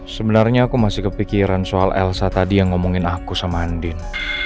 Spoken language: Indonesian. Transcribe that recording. sebenarnya aku masih kepikiran soal elsa tadi yang ngomongin aku sama andin